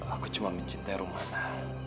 aku cuma mencintai rumana